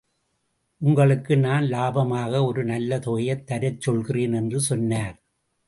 உங்களுக்கு நான் லாபமாக ஒரு நல்ல தொகை தரச் சொல்கிறேன் என்று சொன்னார்.